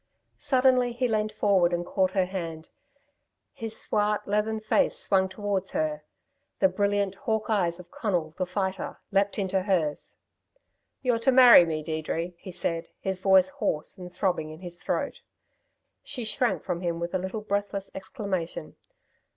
Suddenly he leant forward and caught her hand. His swart, leathern face swung towards her; the brilliant, hawk eyes of Conal, the Fighter, leapt into hers. "You're to marry me, Deirdre," he said, his voice hoarse and throbbing in his throat. She shrank from him with a little breathless exclamation.